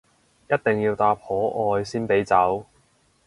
一定要答可愛先俾走